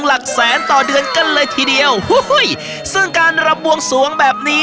หลักแสนต่อเดือนกันเลยทีเดียวซึ่งการรำบวงสวงแบบนี้